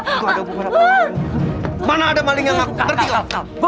gak ada hubungan apa apa mana ada maling yang ngaku